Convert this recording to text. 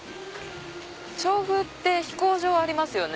調布って飛行場ありますよね。